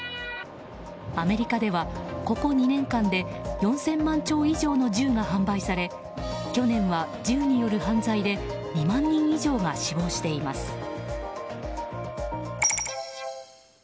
アメリカでは、ここ２年間で４０００万丁以上の銃が販売され去年は銃による犯罪で２万人以上が死亡しています。